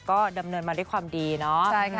ก็ดำเนินมาด้วยความดีเนอะใช่ค่ะ